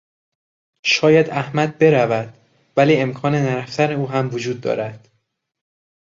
شاید احمد برود ولی امکان نرفتن او هم وجود دارد.